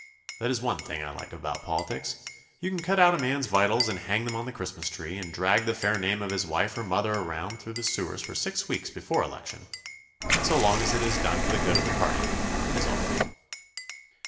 That is one thing I like about politics you can cut out a man's vitals and hang them on the Christmas tree and drag the fair name of his wife or mother around through the sewers for six weeks before election, and so long as it is done for the good of the party it is all right.